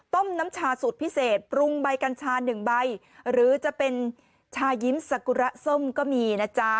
น้ำชาสูตรพิเศษปรุงใบกัญชา๑ใบหรือจะเป็นชายิ้มสกุระส้มก็มีนะจ๊ะ